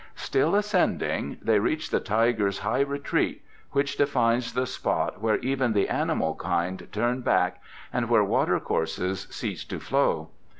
Still ascending they reached the Tiger's High Retreat, which defines the spot where even the animal kind turn back and where watercourses cease to flow.